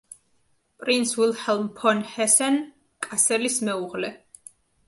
პრინც ვილჰელმ ფონ ჰესენ-კასელის მეუღლე.